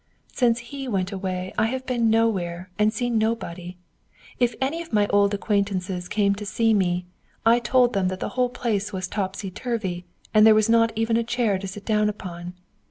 Since he went away I have been nowhere, and seen nobody. If any of my old acquaintances came to see me, I told them that the whole place was topsy turvy, and there was not even a chair to sit down upon.